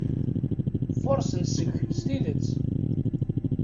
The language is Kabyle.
Furṣen seg-k s tidet.